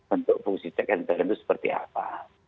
untuk fungsi check and balance itu seperti apa